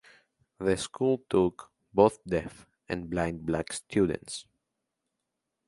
The school took both deaf and blind black students.